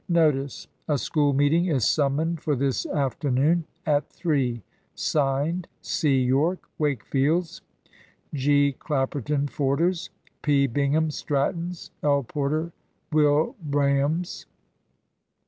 Notice. "A School meeting is summoned for this afternoon at 3. "(Signed) C. Yorke (Wakefield's). G. Clapperton (Forder's). P. Bingham (Stratton's). L. Porter (Wilbraham's)."